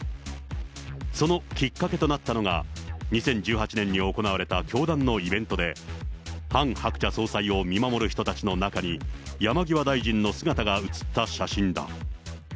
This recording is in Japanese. そのきっかけとなったのが、２０１８年に行われた教団のイベントで、ハン・ハクチャ総裁を見守る人たちの中に、山際大臣の姿が写った写真だ。